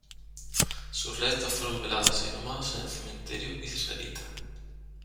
Sus restos fueron velados e inhumados en el cementerio Israelita.